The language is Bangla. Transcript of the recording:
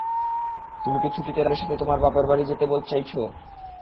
তুমি কি ছুটিতে রাহুলের সাথে তোমার বাপের বাড়ি যেতে চাইছো?